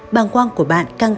băng quang của bạn sẽ bị căng da